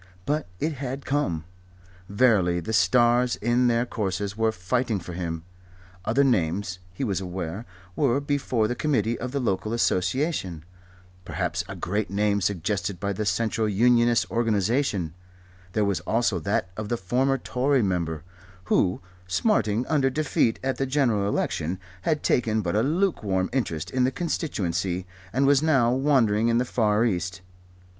But it had come. Verily the stars in their courses were fighting for him. Other names, he was aware, were before the Committee of the Local Association, perhaps a great name suggested by the Central Unionist Organization; there was also that of the former Tory member, who, smarting under defeat at the General Election, had taken but a lukewarm interest in the constituency and was now wandering in the Far East.